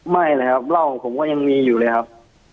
ไม่เลยครับเหล้าผมก็ยังมีอยู่เลยครับ